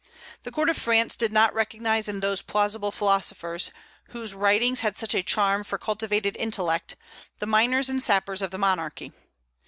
The court of France did not recognize in those plausible philosophers, whose writings had such a charm for cultivated intellect, the miners and sappers of the monarchy.